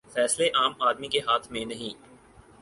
فیصلے عام آدمی کے ہاتھ میں نہیں۔